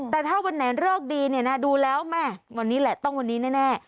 แต่ถ้าวันไหนเลิกดีเนี่ยนะดูแล้วแม่วันนี้แหละต้องวันนี้แน่